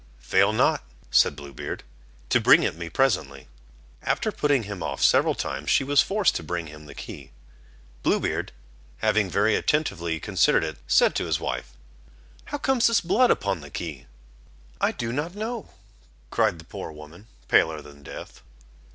"Fail not," said Blue Beard, "to bring it me presently." After putting him off several times, she was forced to bring him the key. Blue Beard, having very attentively considered it, said to his wife: "How comes this blood upon the key?" "I do not know," cried the poor woman, paler than death.